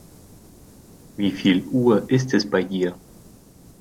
Wie viel Uhr ist es bei dir?